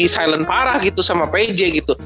silent parah gitu sama pj gitu